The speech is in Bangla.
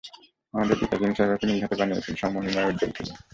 আমাদের পিতা যিনি স্বর্গকে নিজ হাতে বানিয়েছেন, স্বমহিমায় উজ্জ্বল তিনি!